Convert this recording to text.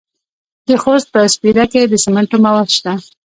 د خوست په سپیره کې د سمنټو مواد شته.